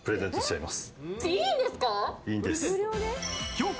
いいんですか？